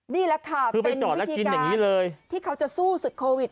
นี่แหละค่ะเป็นวิธีการที่เขาจะสู้ศึกโควิด